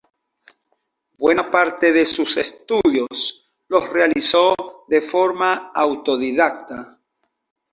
Buena parte de sus estudios los realizó de forma autodidacta.